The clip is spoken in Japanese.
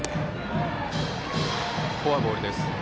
フォアボールです。